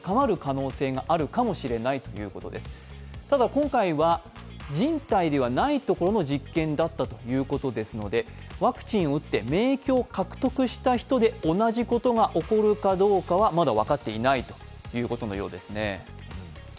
今回は人体ではないというところの実験だったということですのでワクチンを打って免疫を獲得した人で同じことが起こるかどうかはまだ分かっていないということのようですね。